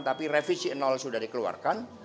tapi revisi nol sudah dikeluarkan